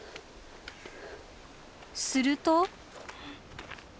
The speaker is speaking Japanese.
すると。